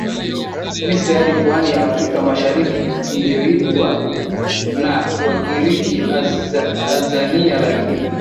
Misri hadi pwani ya Afrika Mashariki iliyoitwa na Wagiriki Azania Lakini